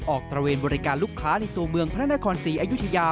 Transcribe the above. ตระเวนบริการลูกค้าในตัวเมืองพระนครศรีอยุธยา